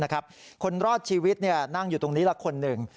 คนรอดชีวิตนั่งอยู่ตรงนี้ละคนหนึ่ง